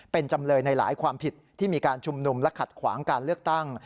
เป็นจำเลยในหลายความผิดที่มีการชุมนุมและขัดขวางการเลือกตั้ง